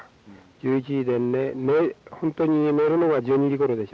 １１時でホントに寝るのが１２時ごろでしょ。